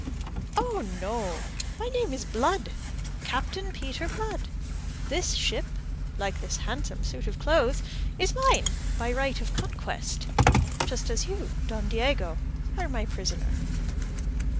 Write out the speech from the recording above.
"Oh, no, my name is Blood Captain Peter Blood. This ship, like this handsome suit of clothes, is mine by right of conquest. Just as you, Don Diego, are my prisoner."